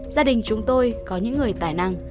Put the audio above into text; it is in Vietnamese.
gia đình chúng tôi có những người tài năng